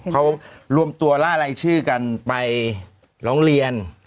เขารวมตัวล่ารายชื่อกันไปร้องเรียน